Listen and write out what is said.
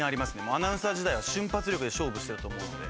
アナウンサー時代は瞬発力で勝負してたと思うので。